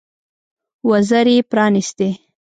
وزرې يې پرانيستې.